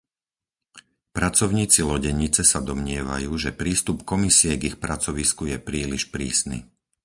Pracovníci lodenice sa domnievajú, že prístup Komisie k ich pracovisku je príliš prísny.